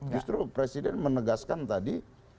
justru presiden menegaskan tadi